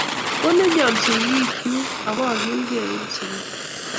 Kolenjon sigikyuk abokilgeiben sugul.